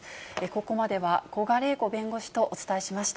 ここまでは、古賀礼子弁護士とお伝えしました。